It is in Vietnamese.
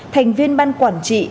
thành viên ban quản trị